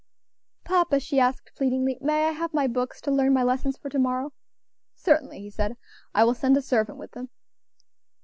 "Papa," she asked, pleadingly, "may I have my books, to learn my lessons for to morrow." "Certainly," he said; "I will send a servant with them."